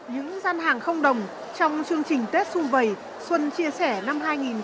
những gian hàng không đồng trong chương trình tết xung vầy xuân chia sẻ năm hai nghìn hai mươi